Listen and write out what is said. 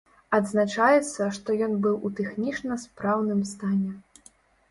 Адзначаецца, што ён быў у тэхнічна спраўным стане.